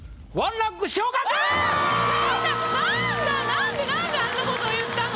なんでなんであんなこと言ったの？